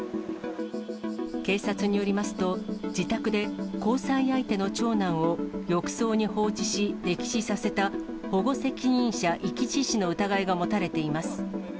警察によりますと、自宅で交際相手の長男を浴槽に放置し、溺死させた、保護責任者遺棄致死の疑いが持たれています。